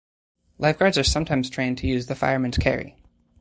Lifeguards are sometimes trained to use the fireman's carry.